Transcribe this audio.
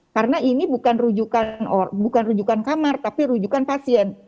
karena ini bukan rujukan kamar tapi rujukan pasien